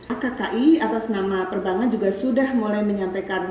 akki atas nama perbankan juga sudah mulai menyampaikan